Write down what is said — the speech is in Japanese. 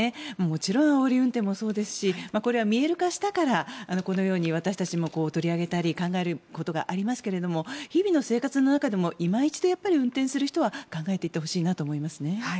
もちろんあおり運転もそうですしこれは見える化したからこのように私たちも取り上げたり考えることがありますけれど日々の生活の中でもいま一度、運転する人は考えていってほしいなと思いますね。